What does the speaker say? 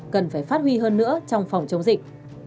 cần phải phát huy hơn nữa trong phòng chống dịch